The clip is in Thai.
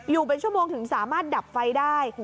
อยู่เป็นชั่วโมงถึงสามารถดับไฟได้